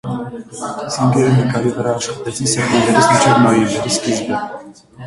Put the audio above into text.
Սինգերը նկարի վրա աշխատեց սեպտեմբերից մինչև նոյեմբերի սկիզբը։